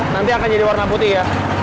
nanti akan jadi warna putih ya